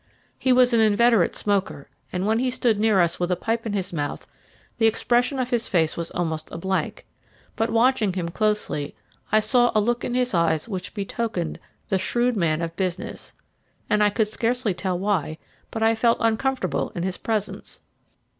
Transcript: He was an inveterate smoker, and when he stood near us with a pipe in his mouth the expression of his face was almost a blank; but watching him closely I saw a look in his eyes which betokened the shrewd man of business, and I could scarcely tell why, but I felt uncomfortable in his presence.